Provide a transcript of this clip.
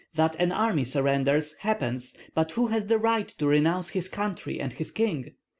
That an army surrenders happens, but who has the right to renounce his country and his king?